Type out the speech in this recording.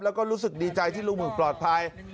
แล้วก็รู้สึกดีใจที่ลุงหึงปลอดภัย